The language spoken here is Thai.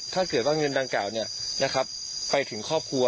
ถ้าเกิดว่าเงินดังกล่าวไปถึงครอบครัว